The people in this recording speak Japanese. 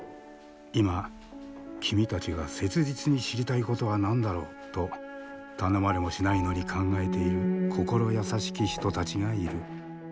今、君たちが切実に知りたいことは何だろう？と頼まれもしないのに考えている心優しき人たちがいる。